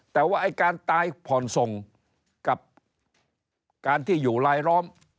แต่ว่าไอ้การตายผ่อนส่งกับการที่อยู่รายล้อม